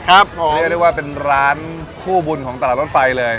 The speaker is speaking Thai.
เรียกได้ว่าเป็นร้านคู่บุญของตลาดรถไฟเลย